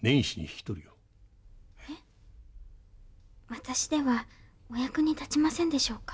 私ではお役に立ちませんでしょうか？